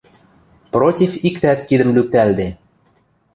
«Против» иктӓт кидӹм лӱктӓлде.